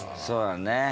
そうだね。